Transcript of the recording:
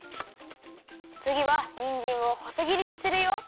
つぎはにんじんをほそぎりにするよ。